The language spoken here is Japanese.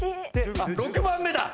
６番目だ！